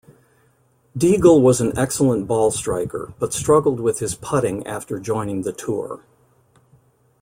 Diegel was an excellent ball-striker, but struggled with his putting after joining the tour.